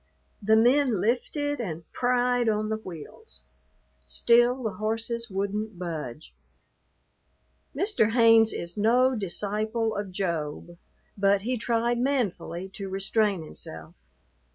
The men lifted and pried on the wheels. Still the horses wouldn't budge. Mr. Haynes is no disciple of Job, but he tried manfully to restrain himself.